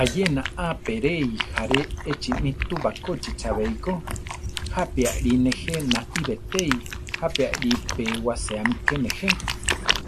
Ayena a peréi járe echimi túu bakóchi chabéiko, jápi Ali nejé naí betéi, jápi Ali pe waséami ke nejé.